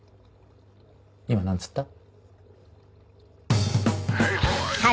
今何つった？